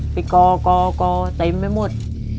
ไปกอเต็มไปหมด